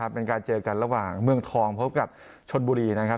เป็นการเจอกันระหว่างเมืองทองพบกับชนบุรีนะครับ